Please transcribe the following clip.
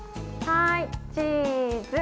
はい、チーズ。